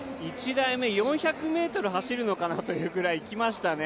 １台目、４００ｍ走るのかなというくらいいきましたね。